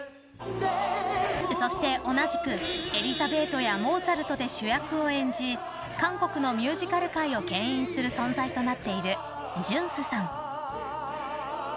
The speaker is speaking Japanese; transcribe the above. そして同じく「エリザベート」や「モーツァルト！」で主役を演じ韓国のミュージカル界をけん引する存在となっているジュンスさん。